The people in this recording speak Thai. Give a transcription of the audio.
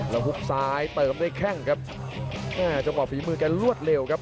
แล้วหุบซ้ายเติมด้วยแข้งครับอ่าจังหวะฝีมือแกรวดเร็วครับ